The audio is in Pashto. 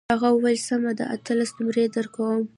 هغه وویل سمه ده اتلس نمرې درکوم.